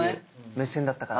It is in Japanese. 目線だったから。